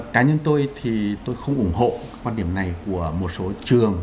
cá nhân tôi thì tôi không ủng hộ quan điểm này của một số trường